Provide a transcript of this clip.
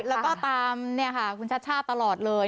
แล้วก็ตามคุณชัชชาติตลอดเลย